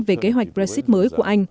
về kế hoạch brexit mới của anh